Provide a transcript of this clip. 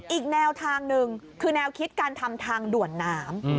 อีกแนวทางหนึ่งคือแนวคิดการทำทางด่วนน้ำ